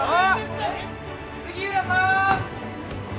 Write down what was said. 杉浦さん！